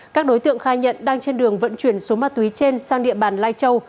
các đối tượng khai nhận đang trên đường vận chuyển số ma túy trên sang địa bàn lai châu